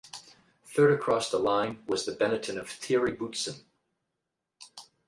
Third across the line was the Benetton of Thierry Boutsen.